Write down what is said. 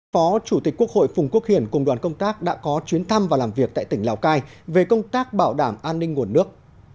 phó chủ tịch quốc hội phùng quốc hiển cùng đoàn công tác đã có chuyến thăm và làm việc tại tỉnh lào cai về công tác bảo đảm an ninh nguồn nước